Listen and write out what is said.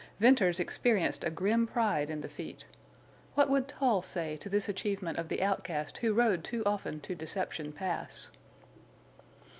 Venters experienced a grim pride in the feat. What would Tull say to this achievement of the outcast who rode too often to Deception Pass?